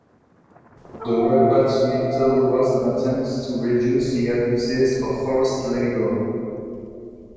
The "repartimiento" was an attempt "to reduce the abuses of forced labour.